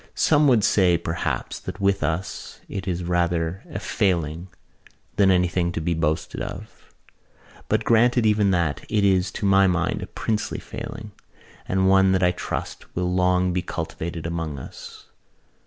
Some would say, perhaps, that with us it is rather a failing than anything to be boasted of. But granted even that, it is, to my mind, a princely failing, and one that I trust will long be cultivated among us.